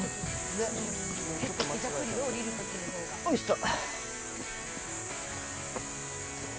おいしょ！